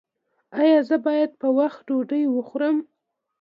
ایا زه باید په وخت ډوډۍ وخورم؟